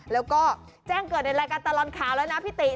แล้วก็แจ้งเกิดในรายการตลอดข่าวแล้วนะพี่ติ